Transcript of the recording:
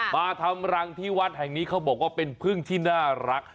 มาทำรังที่วัดแห่งนี้เขาบอกว่าเป็นพึ่งที่น่ารัก